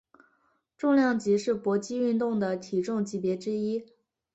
重量级是搏击运动的体重级别之一。